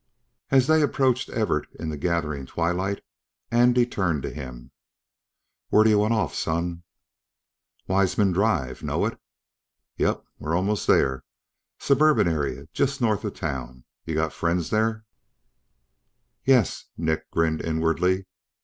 As they approached Everett, in the gathering twilight, Andy turned to him. "Where d'ye want off, son?" "Weisman Drive. Know it?" "Yep. We're almost there. Suburban area, just north of town. Y'got friends there?" "Yes." Nick grinned inwardly.